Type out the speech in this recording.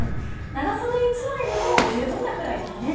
長袖１枚でも十分なくらいですね。